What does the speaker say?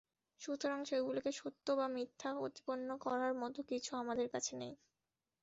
সুতরাং সেগুলোকে সত্য বা মিথ্যা প্রতিপন্ন করার মত কিছু আমাদের কাছে নেই।